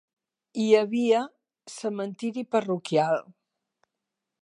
Hi havia cementiri parroquial.